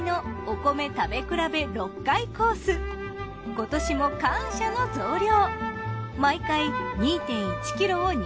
今年も感謝の増量。